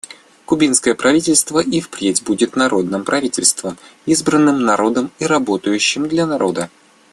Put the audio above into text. Кубинское правительство и впредь будет народным правительством, избранным народом и работающим для народа.